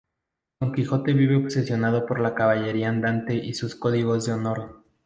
Don Quijote vive obsesionado por la caballería andante y sus códigos de honor.